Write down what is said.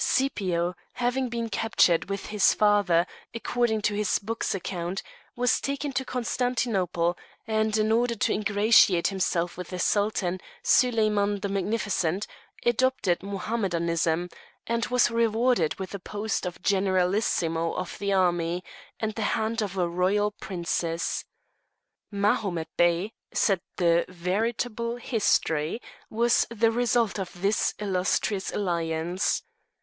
Scipio, having been captured with his father, according to this book's account was taken to Constantinople, and in order to ingratiate himself with the Sultan, Solyman the Magnificent, adopted Mohammedanism, and was rewarded with the post of generalissimo of the army, and the hand of a royal princess. Mahomet Bey, said the veritable history, was the result of this illustrious alliance.